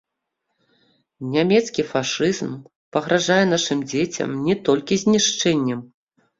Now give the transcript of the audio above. Нямецкі фашызм пагражае нашым дзецям не толькі знішчэннем.